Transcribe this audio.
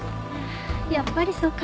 やっぱりそうか。